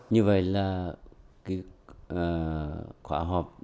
như vậy là